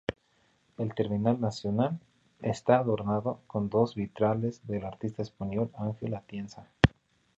El terminal nacional está adornado con dos vitrales del artista español Ángel Atienza.